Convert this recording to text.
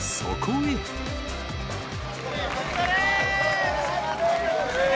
お疲れ！